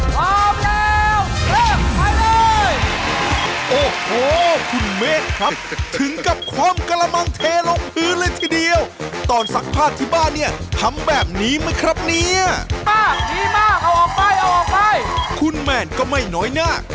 พร้อมแล้วเลอะไปเลย